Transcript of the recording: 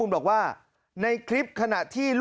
เมื่อกี้มันร้องพักเดียวเลย